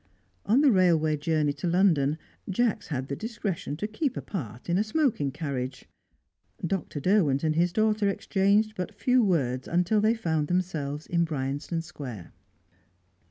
On the railway journey to London, Jacks had the discretion to keep apart in a smoking carriage. Dr. Derwent and his daughter exchanged but few words until they found themselves in Bryanston Square.